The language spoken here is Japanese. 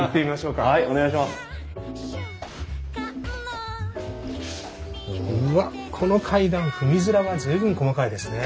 うわっこの階段踏み面が随分細かいですね。